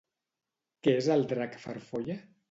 Què és el Drac Farfolla?